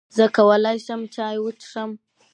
زۀ کولای شم چای وڅښم؟